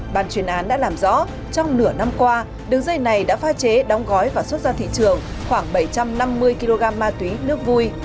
bàn chuyên án đã làm rõ trong nửa năm qua đường dây này đã pha chế đóng gói và xuất ra thị trường khoảng bảy trăm năm mươi kg ma túy nước vui